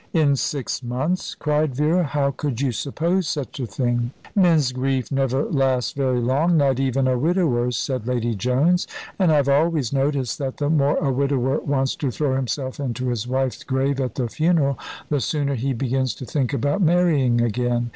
"In six months!" cried Vera. "How could you suppose such a thing!" "Men's grief never lasts very long, not even a widower's," said Lady Jones; "and I've always noticed that the more a widower wants to throw himself into his wife's grave at the funeral, the sooner he begins to think about marrying again.